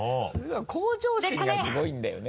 向上心がすごいんだよね